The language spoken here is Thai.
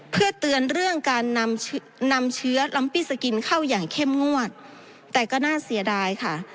เพื่อเตือนเรื่องการนำนำเชื้อลัมปิ้สกินเข้าอย่างเข้มงวดแต่ก็น่าเสียดายค่ะ